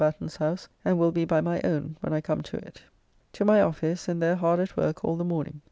Batten's house, and will be by my own when I come to it. To my office, and there hard at work all the morning.